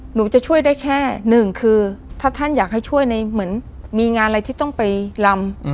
หนูจะช่วยได้แค่หนึ่งคือถ้าท่านอยากให้ช่วยในเหมือนมีงานอะไรที่ต้องไปลำ